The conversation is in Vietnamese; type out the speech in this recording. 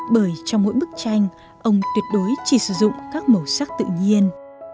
bởi trong mỗi bức tranh ông tuyệt đối chỉ sử dụng các màu sắc tự nhiên